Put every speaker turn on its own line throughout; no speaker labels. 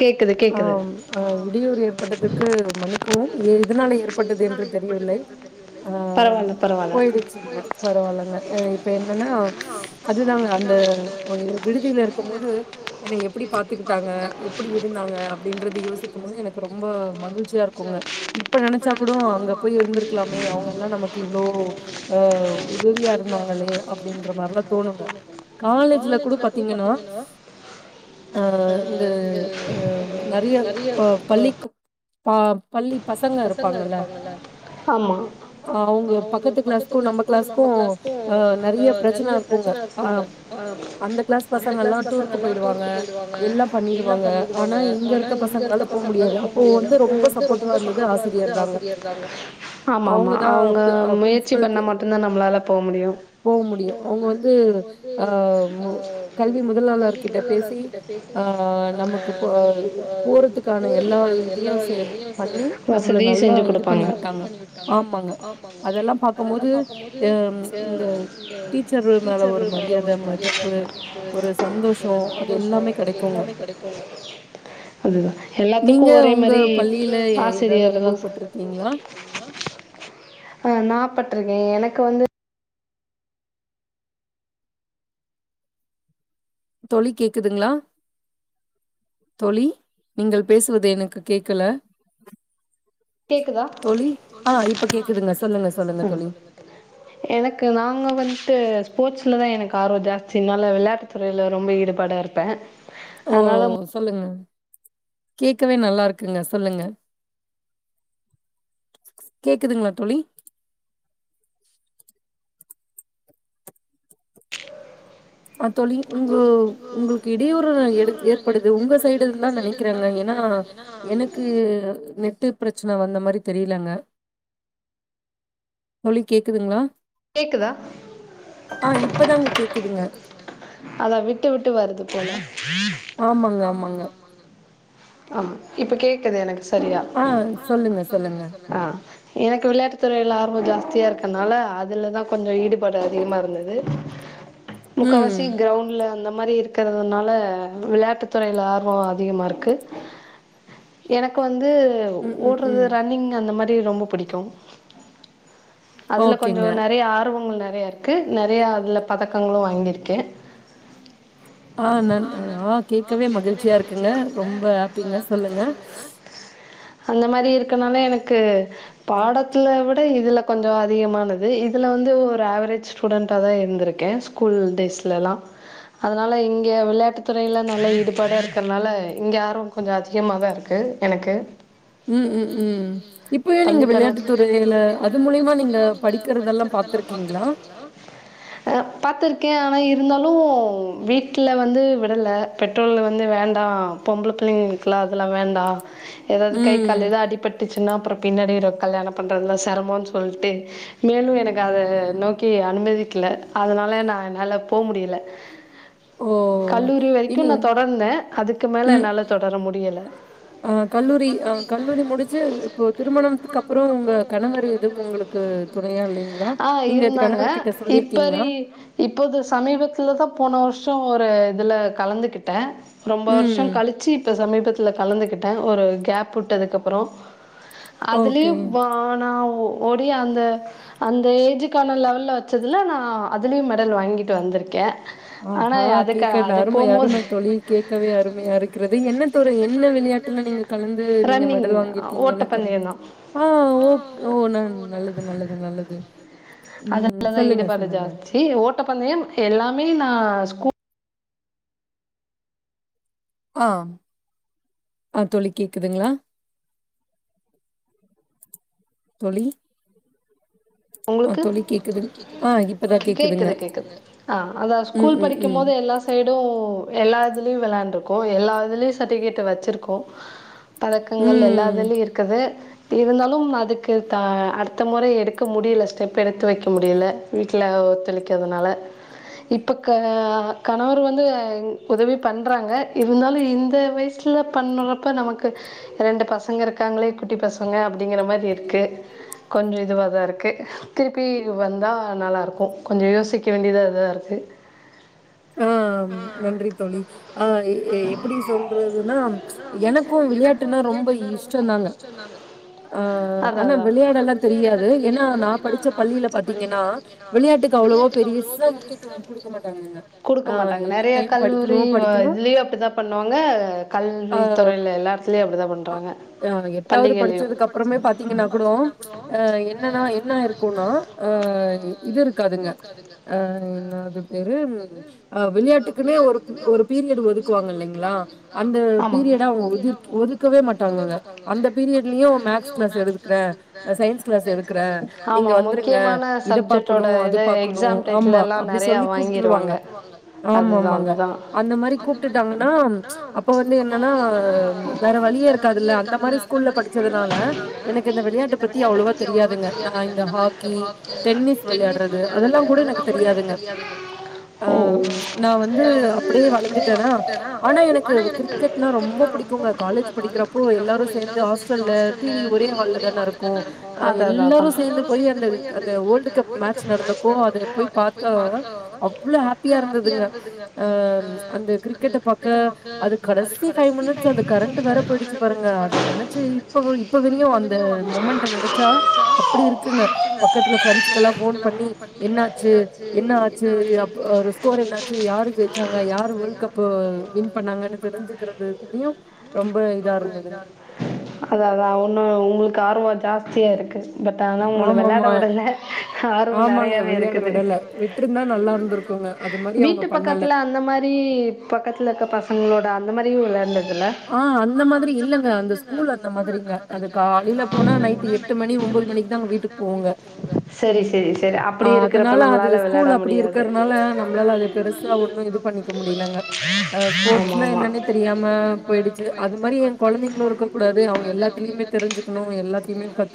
கேக்கு
ஆ ம் அ இடையூறு ஏற்பட்டதுக்கு மன்னிக்கவு எ எதனால ஏற்பட்டதென்று தெரியவில்லை
பரவால்ல பரவால்ல
போயிருச்சுங்க பரவால்லங்க அ இப்ப என்னன்னா அதுதாங்க அந்த அ விடுதியில இருக்கும் போது என்ன எப்பிடி பாத்துக்கிட் ங்க எப்பிடி இருந்தாங்க அப்படின்றது யோசிக்கும் போது எனக்கு ரொம்ப மகிழ்ச்சியா இருக்குங்க இப்ப நெனைச்சா கூடோ அங்க போய் இருந்திருக்கலாமே அவுங்கல்லா நமக்கு இவ்ளோ அ உதவியா இருந்தாங்களே அப்டின்ற மாரிலா தோணுங்க காலேஜ்ல கூட பாத்தீங்கனா ஆ இந்த அ நெறையா இப்ப பள்ளிக்கு பா பள்ளி பசங்க இருப்பாங்கல
ஆமா அவ்ங்க பக்கத்து கிளாஸ்க்கு நம்ம கிளாஸ்க்கு அ நெறைய பிரச்சன இருக்குங்க ஆ அந்த கிளாஸ் பசங்கள்லா டூருக்கு போயிடுவாங்க எல்லா பண்ணிடுவாங்க ஆனா இங்க இருக்க பசங்களால போ முடியாது அப்போ வந்து ரொம் ஆமாம்மா அவ்ங்க முயற்சி பண்ணா மட்டுந்தா நம்மளால போ முடியு
போ முடியு அவ்ங்க வந்து ஆ மு கல்வி முதலாளர்க்கிட்ட பேசி ஆ நமக்கு இப்போ போறதுக்கான எல்லா இதையு சே பண்ணி நம்பள நல்லா இது பண்ணி விட்டாங்க ஆமாங்க அதெல்லா பாக்கமோது எம் இந்த டீச்சரு மேல ஒரு மரியாத மதிப்பு ஒரு சந்தோஷ அது எல்லாமே கெடைக்
அதுதா எல்லாத்துக்கு ஒரே மாரி
யே எதாவ்து அனுபவப்பட்ருக்கீங்ளா
அ நா பட்ருக்கே எனக்கு வந்து
தோழி கேக்குதுங்ளா தோழி நீங்கள் பேசுவது எனக்கு கேக்கல தோழி ஆ இப்ப கேக்குதுங்க சொல்லுங்க சொல்லுங்க தோழி
எனக்கு நாங்க வந்ட்டு ஸ்போர்ட்ஸுல தா எனக்கு ஆர்வ ஜாஸ்தினால வெளாட்டு துறைல ரொம்ப ஈடுபாடா இருப் ப்பே
ஓ சொல்லுங்க கேக்கவே நல்லா இருக்குங்க சொல்லுங்க கேக்குதுங்ளா தோழி ஆ தோழி உங்க உங்களுக்கு இடையூறுல எடு ஏற்படுது உங்க சைட் டில் தா நெனைக்கிறேங்க ஏனா எனக்கு நெட்டு பிரச்சன வந்த மாரி தெரியலங்க தோழி கேக்குதுங்ளா ஆ இப்பதாங்க கேக்குதுங்க
அதா விட்டு விட்டு வருது போல ஆமா இப்ப கேக்குது எனக்கு சரியா அ எனக்கு விளையாட்டு துறைல ஆர்வ ஜாஸ்தியா இருக்கனால அத் அதுல தா கொஞ்ச ஈடுபாடு அதிகமா இருந்தது முக்காவாசி கிரவுண்ட்ல அந்த மாரி இருக் க்கிறதுனால விளையாட்டு துறைல ஆர்வ அதிகமா இருக்கு எனக்கு வந்து ஒ ஓட்றது ரன்னிங் அந்த மாரி ரொம்ப பிடிக்கு அதுல கொஞ் நெறையா ஆர்வங்கள் நெறையா இருக்கு நெறையா அதுல பதக்கங்களு வாங்கிருக்கே
ஆ நன் அ ஆ கேக்கவே மகிழ்ச்சியா இருக்குங்க ரொம்ப ஹாப்பிங்க சொல்லுங்க
அந்த மாரி இருக்கனால எனக்கு பாடத்துல விட இதுல கொஞ்ச அதிகமான து இதுல வந்து ஒரு ஆவரேஜ் ஸ்டூடெண்ட்டா தா இருந்திருக்கே ஸ்கூல் டேஸ்லலா அதனால இங்கெ விளையாட்டு துறைல நல்ல ஈடுபாட இருக்கிறனால இங்கெ ஆர்வ கொஞ்ச அதிகமா தா இருக்கு எனக்கு
ம் ம்ம் இப்பயே நீங்க விளையாட்டு துறைல அது மூலியமா நீங்க படிக்கிறதெல்லா பாத்துருக்கீங்ளா
அ பாத்துருக்கே ஆனா இருந்தாலு வீட்ல வந்து விடல பெட்ரோல் வந்து வேண்டா பொம்பள பிள்ளைங்களுக்குல்லா அதெல்லா வேண்டா ஏதாது கை கால் ஏது அடிபட்டுச்சுன்னா அப்ற பின்னாடி கல்யாண பண்றதுலா சிரமோன் சொல்ட்டு மேலு எனக்கு அத நோக்கி அனுமதிக்கல அதனால நா என்னால போ முடில கல்லூரி வரைக்கு நா தொடர்ந்தே அதுக்கு மேல என்னால தொடர முடியல அ கல்லூரி அ கல்லூரி முடுஞ்சு உங்க திருமணத்துக்கு அப்பறோ உங்க கணவர் [unintelligible] ஆ இருந்தாங்க இப்பரி இப்போது சமீபத்துல தா போன வர்ஷோ ஒரு இதுல கலந்துகிட்டே ரொம்ப வருஷ கழிச்சு இப்ப சமீபத்தில கலந்துக்கிட்டே ஒரு கேப் விட்டதுக்கு அப்பறோ அதுலயு வ நா ஓடி அந்த அந்த ஏஜுக்கான லெவல்ல வச்சதுல நா அதுலயு மெடல் வாங்கிட்டு வந்திருக்கே
அஹா கேக்க அருமை அருமை தோழி கேக்கவே அருமையா இருக்கிறது என்ன தொரு என்ன விளையாட்டுலா நீங்க கலந்து நீங்க மெடல் வாங்கிருக்கீங்கன்னு தெர் ஆ ஓ ஓ ந நல்லது நல்லது நல்லது
அதுல தா ஈடுபாடு ஜாஸ்தி ஓட்ட பந்தயம் எல்லாமே நா ஸ்கூ
ஆ ஆ தோழி கேக்குதுங்ளா தோழி [inaudible]
ஒங்களுக்கு கேக்குது கேக்குது ஆ அதா ஸ்கூல் படிக்கும்போது எல்லா ஸ் சைடூ எல்லா இதுலுயு வெளாண்டுருக்கோ எல்லா இதுலயு சர்டிஃபிகேட்டு வச்சுருக்கோ பதக்கங்கள் எல்லா இதுலயு இருக்குது இருந்தாலு அதுக்கு த அடுத்த முறை எடு க்க முடில ஸ்டெப் எடுத்து வைக்க முடில வீட்ல ஒத்துழைக்காதனால இப்ப க கணவர் வந்து உதவி பண்றாங்க இருந்தாலு இந்த வயசு சுல பண்ணறப்ப நமக்கு ரெண்டு பசங்க இருக்காங்களே குட்டி பசங்க அப்டிங்கிற மாரி இருக்கு கொஞ்ச இதுவா தா இருக் கு திருப்பி வந்தா நல்லா இருக்கு கொஞ்ச யோசிக்க வேண்டிததா இருக்கு
ஆ ஆ நன்றி தோழி ஆ எப்டி சொல்றதுன்னா எனக்கூ விளையாட்டுனா ரொம்ப இஷ்டந்தாங்க ஆ ஆனா விளையாடலா தெரியாது ஏனா நா படிச்ச பள்ளில பாத்தீங்கனா விளையாட்டுக்கு அவ்வளவா பெரியசா முக்கியத்துவோ குடுக்க மாட்டாங்கங்க
குடுக்க மாட்டாங்க நெறையா கல்லூரி வ இதுலயு அப்டி தா பண்ணுவாங்க கல்வி துறையில எல்லா திலயு அப்டிதா பண்றாங்க
அ அவுங்க எட்டாவது படுச்சதுக்கு அப்பறமே பாத்தீங்கனா கூடோ அ என்னன்னா என்ன இருக்குனா ஆ இது இருக்காதுங்க ஆ என்ன அது பேரு அ விளையாட்டுக்குனே ஒரு ஒரு பீரியட்டு ஒதுக்குவாங்க இல்லங்களா அந்த பீரியட அவுங்க ஒதுக் ஒதுக் க்கவே மாட்டாங்கங்க அந்த பீரியட்லயு மேக்ஸ் கிளாஸ் எடுக்குறே அ சயின்ஸ் கிளாஸ் எடுக்குறே நீங்க வந்துருங்க இத பாக்குனு அது பாக்கனு ஆமா அப்டி சொல்லி கூப்ட்டுருவாங்க ஆமா ஆமாங்க அந்த மாரி கூப்ட்டுட்டாங்கனா அப்ப வந்து என்னன்னா வேற வழியே இருக்காதுல்ல அந்த மாரி ஸ்கூல்ல படிச்சதுனால எனக்கு இந்த விளையாட்ட பத்தி அவ்ளோவா தெரியாதுங்க நா இந்த ஹாக்கி டென்னிஸ் விளையாடறது அதெல்லா கூட எனக்கு தெரியாதுங்க அ நா வந்து அப்டியே வளந்துட்டேனா ஆனா எனக்கு கிரிக்கெட்னா ரொம்ப புடிக்குங்க காலேஜ் படிக்கிறப்போ எல்லாரு சேந்து ஹாஸ்டல்ல டிவி ஒரே ஹால்ல தானே இருக்கு அ எல்லாரு சேந்து போயி அந்த அந்த வோல்டு கப் மேட்ச் நடந்தப்போ அதுல போயி பாத்தா அவ்ள ஹாப்பியா இருந்துதுங்க அ அந்த கிரிக்கெட்ட பாக்க அதுக் கடைசி ஃபைவ் மினிட்ஸ் அந்த கரண்டு வேற போயிடுச்சு பாருங்க அத நெனைச்சு இப்ப இப்ப வரியு அந்த மொமெண்ட்ட நெனைச்சா அப்படி இருக்கு ங்க பக்கத்துல ஃப்ரெண்ஸ்கெல்லா ஃபோன் பண்ணி என்ன ஆச்சு என்ன ஆச்சு அப் ஒரு ஸ்கோர் என்னாச்சு யாரு ஜெயிச்சாங்க யாரு வோல்ட் கப்பு வின் பண்ணாங்கன்னு தெரிஞ்சுக்கறதுகுல்லுயு
அத அதா ஒன்னு ஒங்ளுக்கு ஆர்வோ ஜாஸ்தியா இருக்கு பட் ஆனா ஒங்கள வெளாட விடல
ஆமாங்க வெளையாட விடல விட்ருந்தா நல்லா இருந்திருக்குங்க அது மாரி அவுங்க
பக்கத்துல அந்த மாரி பக்கத்துல இருக்க பசங்களோட அந்த மாரியு வெளயாண்டதுல்ல ஆ அந்த மாரி இல்லங்க அந்த ஸ்கூல் அந்த மாதிரிங்க அது கால்ல போனா நைட்டு எட்டு மணி ஒம்பது மணிக் சரி சரி சரி அப்படி இருக்கறப்ப நம்பளால வெளாட முடியாது
பெருசா ஒன்னு இது பண்ணிக்க முடியலங்க அ ஸ்போர்ட்ஸ்னா என்னன்னே தெரியாம போயிடுச்சு அது மாரி எ கொழந்தைங்களு இருக்க கூடாது அவுங்க எல்லாத்தலியுமே தெரிஞ்சுக்குனு எல்லாத்தியுமே கத்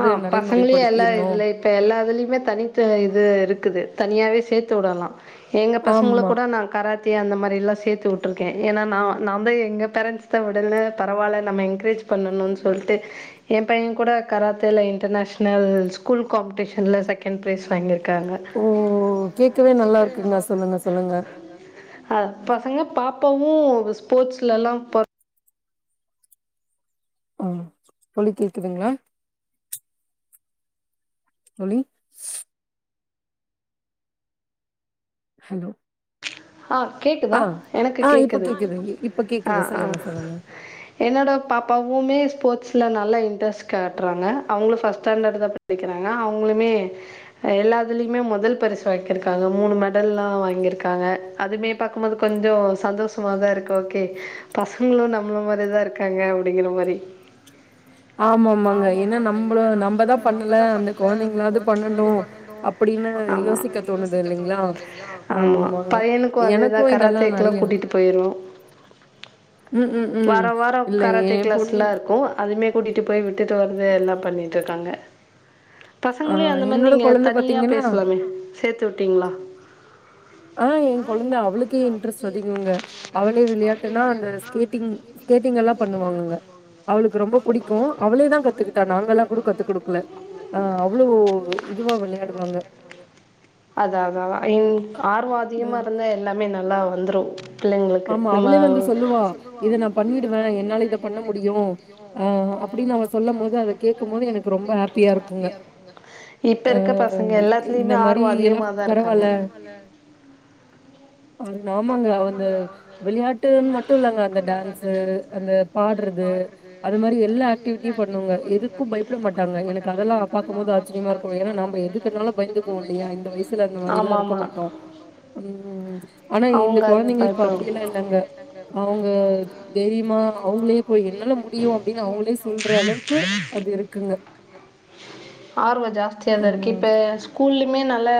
ஆ பசங்களே எல்லா இதுல இப்ப எல்லா இதுலயுமே தனித்த இது இருக்குது தனியாவே சேத்து உடலா எங்க பசங்கள கூட நா கராத்தே அந்த மாரிலா சேத்து உட் ருக்கே ஏனா நா நாந்தே எங்க பேரன்ண்ட்ஸ் தா விடல பரவால்ல நம்ம என்கரேஜ் பண்ணணுன் சொல்ட்டு எ பைய கூட கராத்தேல இன்டர்நேஷ்னல் ஸ்கூல் காம்படிஷன்ல செகண்ட் ஃபிரைஸ் வாங்கிருக்காங்க
ஓ கேக்கவே நல்லாருக்குங்க சொல்லுங்க சொல்லுங்க
அ பசங்க பாப்பாவு ஸ்போர்ட்ஸ்லலா போ
ஆ தோழி கேக்குதுங்ளா தோழி ஹலோ
ஆ கேக்குதா எனக்கு கேக்குது ஆ ஆ என்னோட பாப்பாவுமே ஸ்போர்ட்ஸ்ல நல்லா இன்ட்ரெஸ்ட் காட்றாங்க அவுங்களு ஃபஸ்ட் ஸ்டாண்டர்டுதா படிக்கிறாங்க அவுங்களுமே அ எல்லாதுலயுமே மொதல் பரிசு வக்கிருக்காங்க மூணு மெடல்லா வாங்கிருக்காங்க அதுமே பாக்கும்போது கொஞ்சோ சந்தோஷமாதா இருக்கு ஓகே பசங்களு நம்பள மாரிதா இருக்காங்க அப்டிங்கிற மாரி
ஆமா ஆமாங்க ஏனா நம்பள நம்மதா பண்ணல அந்த கொழந்தைங்களாவது பண்ணட்டு அப்
ஆமா ஆமா பையனுக்கு இப்போ அதேதா கராத்தேக்லா கூட்டிட்டு போய்ர்வோ வாரோ வாரோ கராத்தோ க்ளாஸ்லா இரு க்கு அதுமே கூட்டிட்டு போய் விட்டுட்டு வரது எல்லா பண்ணிட்டு இருக்காங்க பசங்களயு அந்த மாரி நீங்க தனியா பேசலாமே சேத்து விட்டீங்ளா
ஆ எ கொழந்த அவளுக்கே இன்ட்ரெஸ்ட் அதிகோங்க அவளே விளையாட்டுன்னா அந்த ஸ்கேட்டிங் ஸ்கேட்டிங் எல்லாம பண்ணுவாங்கங்க அவளுக்கு ரொம்ப புடிக்கு அவளே தா கத்துக்கிட்டா நாங்க எல்லா கூட கத்து குடுக்கல ஆ அவ்ளோ இதுவா விளையாடுவாங்க
அதா அதா இன் ஆர்வோ அதிகமா இருந்தா எல்லாமே நல்லா வந்துரு
ஆமா அவளே வந்து சொல்லுவா இத நா பண்ணிடுவ என்னால இத பண்ண முடியு
யு ஆ அப்டின்னு அவ சொல்லும்பொது அத கேக்கும்போது எனக்கு ரொம்ப ஹாப்பியா இருக்குங்க இப்ப இருக்க பசங்க எல்லாத்துலயுமே ஆர்வோ அதிகமா தா இருக்காங்க
அது ஆமாங்க அவந்த விளையாட்டுனு மட்டு இல்லங்க அந்த டான்ஸ்சு அந்த பாட்றது அது மாரி எல்லா ஆட்டிவிட்டி பண்ணுங்க எதுக்கு பயப்பட மாட்டாங்க எனக்கு அதெல்லா பாக்கும்போது ஆச்சரியமா இருக்கு ஏனா நம்ம எது கேட்டாலு பயந்துக்குவோ இல்லையா இந்த வயசுல அந்த மாரில்லா இருக்க மாட்டோ ம் ஆனா இந்த கொழந்தைங்க இப்ப அப்டியெல்லா இல்லங்க அவுங்க தேரியமா அவுங்களே போய் என்னால முடியு அப்டின்னு அவுங்களே சொல்ற அளவுக்கு அது இருக்குங்க [inaudible]
ஆர்வோ ஜாஸ்தியாதா இருக்கு இப்ப ஸ்கூல்லியுமே நல்லா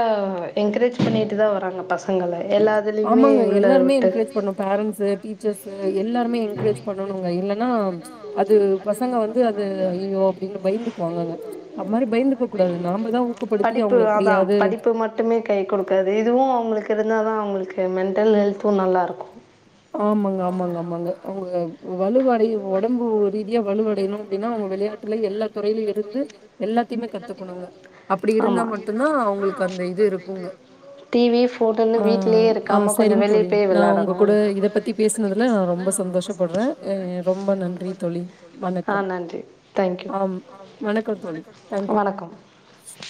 என்கரேஜ் பண்ணிட்டு தா வராங்க பசங்கள எல்லா
ஆமாங்க எல்லாருமே என்கரேஜ் பண்ணு பேரன்ஸ்ஸு டீச்சர்ஸு எல்லாருமே என்கரேஜ் பண்ணனுங்க இல்லன்னா அது பசங்க வந்து அது ஐய்யோ அப்டின்னு பயந்துக்குவாங்கங்க அது மாரி பயந்துக்க கூடாது நாமதா ஊக்கப்படுத்தி அவுங்கள எப்டியாவுது
மட்டுமே கை குடுக்காது இதுவு அவுங்களுக்கு இருந்தா தா அவுங்களுக்கு மென்டல் ஹெல்த்து நல்லா இருக்கு
ஆமாங்க ஆமாங்க ஆமாங்க அவுங்க வலுவடை ஒடம்பு ரீதியா வலுவடையணு அப்டின்னா அவுங்க விளையாட்டுல எல்லா துறையிலு இருந்து எல்லாத்தையுமே கத்துக்குணுங்க அப்டி இருந்தா மட்டுந்தா அவுங்களுக்கு அந்த இது இருக்குங்க ஆ ஆ சரிங் தோழி நா உங்க கூட இத பத்தி பேசுனதுல நா ரொம்ப சந்தோஷப்பட்ற ரொம்ப நன்றி தோழி வணக்கம் ஆம் வணக்கோ தோழி தேங்க்யூ